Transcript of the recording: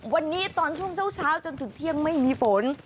วันนี้ตอนช่วงเช้าจนถึงเที่ยงไม่มีฝน